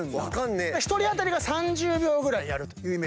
１人当たりが３０秒ぐらいやるというイメージ。